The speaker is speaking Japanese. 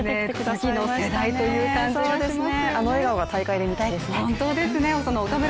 次の世代という感じがしますよね。